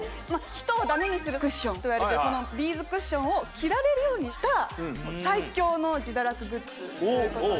人をダメにするクッションといわれてこのビーズクッションを着られるようにした最強の自堕落グッズということで。